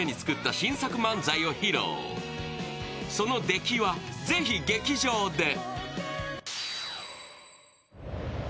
出来はぜひ劇場で！